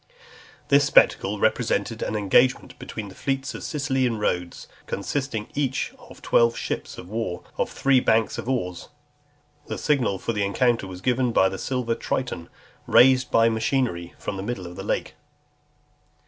This spectacle represented an engagement between the fleets of Sicily and Rhodes; consisting each of twelve ships of war, of three banks of oars. The signal for the encounter was given by a silver Triton, raised by machinery from the middle of the lake.